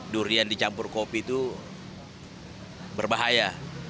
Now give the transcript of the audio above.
durian dicampur kopi itu berbahaya